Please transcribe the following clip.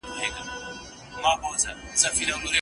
لکه نه وي پردې مځکه زېږېدلی